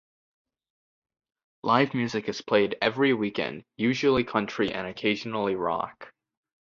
Live music is played every weekend, usually country and occasionally rock.